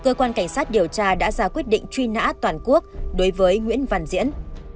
cơ quan cảnh sát điều tra đã ra quyết định truy nã toàn quốc đối với nguyễn văn diễn